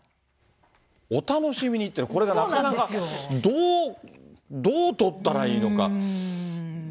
お楽しみにって、これがなかなかどう、どう取ったらいいのか。